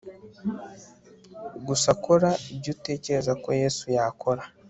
gusa kora ibyo utekereza ko yesu yakora